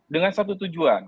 dengan satu tujuan